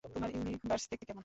তোমার ইউনিভার্স দেখতে কেমন?